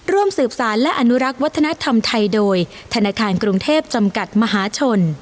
ร่วมสืบสารและอนุรักษ์วัฒนธรรมไทยโดยธนาคารกรุงเทพจำกัดมหาชน